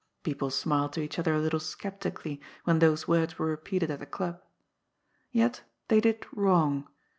" People smiled to each other a little sceptically when those words were repeated at the Club. Yet they did wrong.